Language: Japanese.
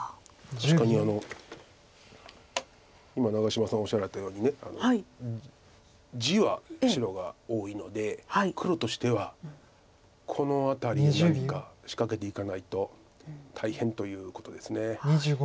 確かに今長島さんおっしゃられたように地は白が多いので黒としてはこの辺りで何か仕掛けていかないと大変ということです。